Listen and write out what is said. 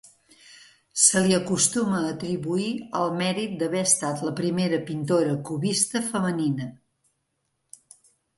Se li acostuma a atribuir el mèrit d'haver estat la primera pintora cubista femenina.